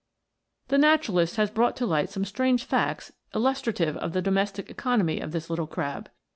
The naturalist has brought to light some strange facts illustrative of the domestic economy of this little crab.